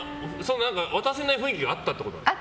渡せない雰囲気があったってことですか。